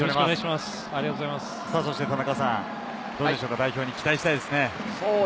田中さん、どうでしょうか、代表に期待したいですね。